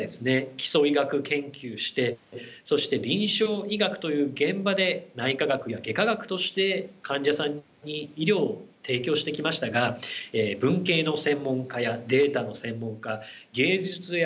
基礎医学研究してそして臨床医学という現場で内科学や外科学として患者さんに医療を提供してきましたが文系の専門家やデータの専門家芸術やアートの専門家